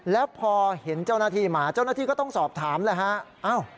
แล้วพอเห็นเจ้าหน้าที่มาเจ้าหน้าที่ก็ต้องสอบถามแล้วฮะ